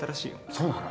そうなの？